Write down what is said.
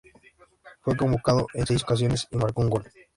Fue convocado en seis ocasiones y marcó un gol.